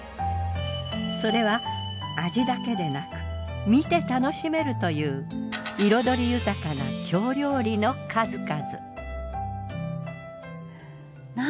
それは味だけでなく見て楽しめるという彩り豊かな京料理の数々。